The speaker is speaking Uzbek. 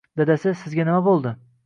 Dadasi, sizga nima bo`ldi